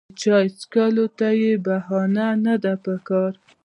د چای څښلو ته بهانه نه ده پکار.